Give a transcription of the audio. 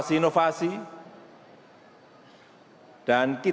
ia bukan taji dan menari